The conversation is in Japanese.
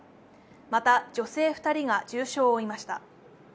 また、女性２人が重傷を負いました。